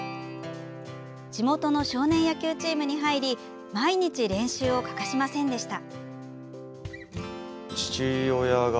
地元の少年野球チームに入り毎日練習を欠かしませんでした。